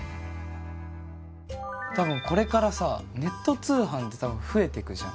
多分これからさネット通販って増えていくじゃん。